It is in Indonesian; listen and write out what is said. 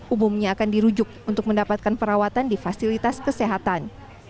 umumnya akan dirujuk untuk mendapatkan perawatan di fasilitas kesehatan